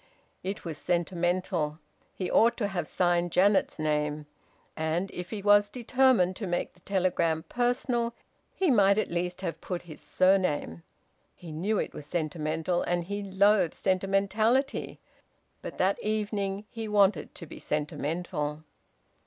It was sentimental. He ought to have signed Janet's name. And, if he was determined to make the telegram personal, he might at least have put his surname. He knew it was sentimental, and he loathed sentimentality. But that evening he wanted to be sentimental.